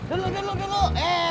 udah bang dia mau di bonceng sama fisna